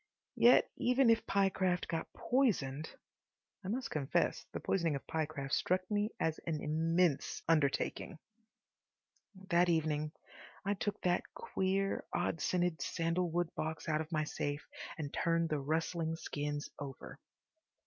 Yet even if Pyecraft got poisoned— I must confess the poisoning of Pyecraft struck me as an immense undertaking. That evening I took that queer, odd scented sandalwood box out of my safe and turned the rustling skins over.